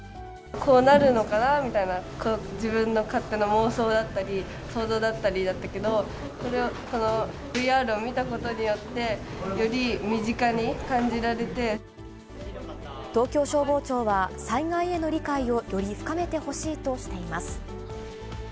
こうなるのかなみたいな、自分の勝手な妄想だったり想像だったりだったけど、このＶＲを見たことによって、東京消防庁は、災害への理解をより深めてほしいとしています。